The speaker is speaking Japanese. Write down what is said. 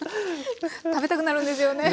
食べたくなるんですよね。